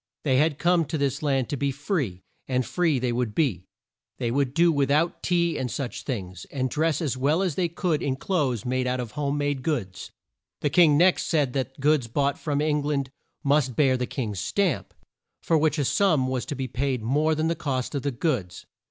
They had come to this land to be free, and free they would be. They would do with out tea and such things, and dress as well as they could in clothes made out of home made goods. The king next said that goods bought from Eng land must bear the king's stamp, for which a sum was to be paid more than the cost of the goods.